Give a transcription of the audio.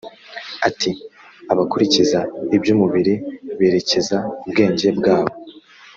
ati abakurikiza iby umubiri berekeza ubwenge bwabo